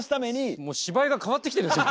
もう芝居が変わってきてるんですよ。